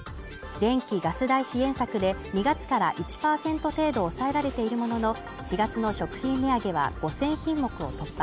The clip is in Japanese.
電気・ガス代支援策で２月から１％程度抑えられているものの、４月の食品値上げは５０００品目を突破。